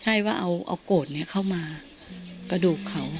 ใช่ว่าเอาโกรธเข้ามากระดูกเขา